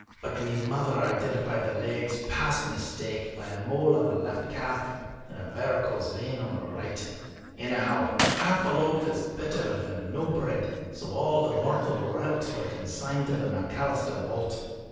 But my mother identified the legs past mistake, by a mole on the left calf and a varicose vein on the right. Anyhow, half a loaf is better than no bread, so all the mortal relics were consigned to the McAlister vault.